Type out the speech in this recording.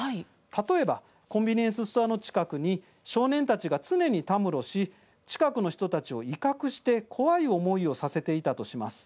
例えば、コンビニエンスストアの近くに少年たちが常にたむろし近くの人たちを威嚇して怖い思いをさせていたとします。